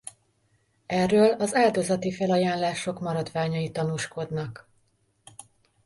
Erről az áldozati felajánlások maradványai tanúskodnak.